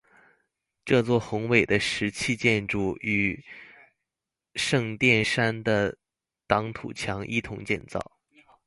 这座宏伟的石砌建筑与圣殿山的挡土墙一同建造。